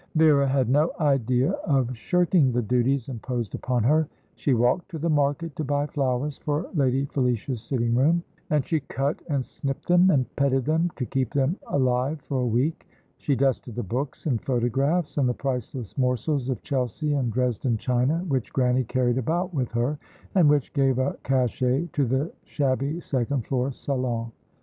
Vera had no idea of shirking the duties imposed upon her. She walked to the market to buy flowers for Lady Felicia's sitting room, and she cut and snipped them and petted them to keep them alive for a week; she dusted the books and photographs, and the priceless morsels of Chelsea and Dresden china, which Grannie carried about with her, and which gave a cachet to the shabby second floor salon.